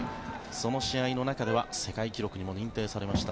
その試合の中では世界記録にも認定されました